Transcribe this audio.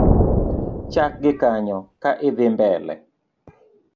Chakgi kanyo ka idhi mbele.